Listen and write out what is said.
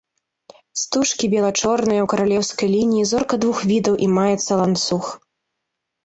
Стужкі бела-чорныя, у каралеўскай лініі зорка двух відаў і маецца ланцуг.